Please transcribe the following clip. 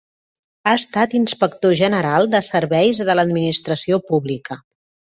Ha estat Inspector General de Serveis de l'Administració Pública.